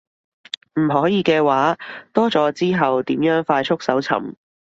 唔可以嘅話，多咗之後點樣快速搜尋